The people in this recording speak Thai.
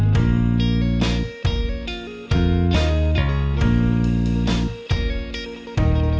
ได้รู้สึกว่ามันจะยังไหลกับหลานอีกเพลงอีกรอบ